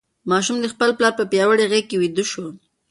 ماشوم د خپل پلار په پیاوړې غېږ کې ویده شو.